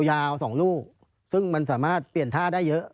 ยาว๒ลูกซึ่งมันสามารถเปลี่ยนท่าได้เยอะ